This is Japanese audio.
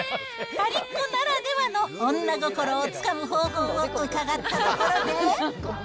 パリっ子ならではの女心をつかむ方法を伺ったところで。